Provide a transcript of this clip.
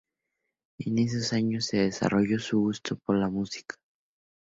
En esos años se desarrolló su gusto por la música.